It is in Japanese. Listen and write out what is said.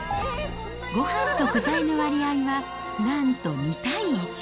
ごはんと具材の割合は、なんと２対１。